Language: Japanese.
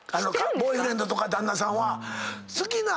ボーイフレンドとか旦那さんは。